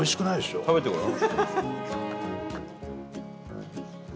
伊達：食べてごらん。